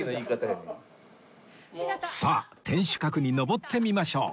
さあ天守閣に上ってみましょう